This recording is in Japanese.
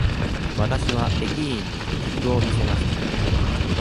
わたしは駅員に切符を見せました。